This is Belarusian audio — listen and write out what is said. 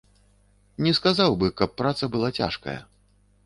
Не сказаў бы, каб праца была цяжкая.